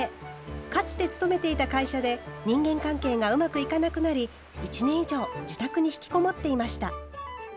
かつて勤めていた会社で人間関係がうまくいかなくなり１年以上、自宅に引きこもっていました。